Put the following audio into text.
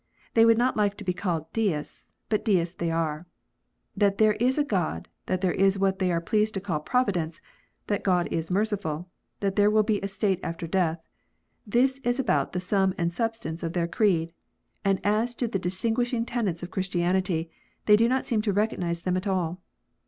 They would not like to be called Deists, but Deists they are. That there is a God, that there is what they are pleased to call Providence, that God is merciful, that there will be a state after death, this is about the sum and substance of their creed ; and as to the distinguishing tenets of Christianity, they do not seem to recognize them at all.